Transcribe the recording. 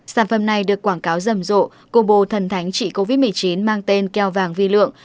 sản phẩm này được quảng cáo rầm rộ cobo thần thánh trị covid một mươi chín mang tên keo vàng vi lượng